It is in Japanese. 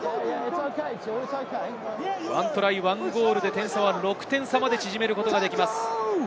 １トライ、１ゴールで点差は６点差まで縮めることができます。